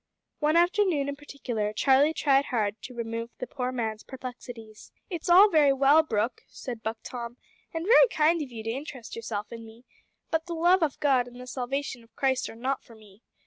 One afternoon in particular Charlie tried hard to remove the poor man's perplexities. "It's all very well, Brooke," said Buck Tom, "and very kind of you to interest yourself in me, but the love of God and the salvation of Christ are not for me.